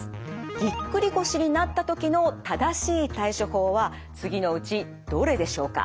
ぎっくり腰になった時の正しい対処法は次のうちどれでしょうか？